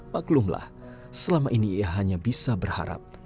maklumlah selama ini ia hanya bisa berharap